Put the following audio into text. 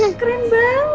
wah keren banget